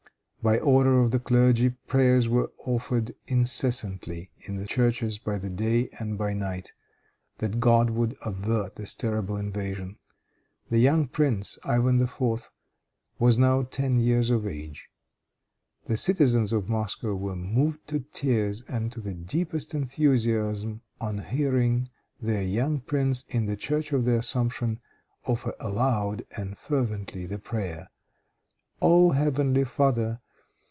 By order of the clergy, prayers were offered incessantly in the churches by day and by night, that God would avert this terrible invasion. The young prince, Ivan IV., was now ten years of age. The citizens of Moscow were moved to tears and to the deepest enthusiasm on hearing their young prince, in the church of the Assumption, offer aloud and fervently the prayer, "Oh heavenly Father!